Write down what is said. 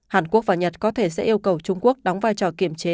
hàn quốc và nhật có thể sẽ yêu cầu trung quốc đóng vai trò kiểm chế